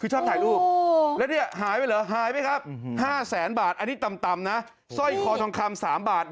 คือชอบถ่ายรูปแล้วเนี่ยหายไปเหรอหายไปครับ๕๐๐๐๐๐บาท